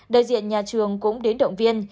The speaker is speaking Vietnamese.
đại diện nhà trường cũng đến động viên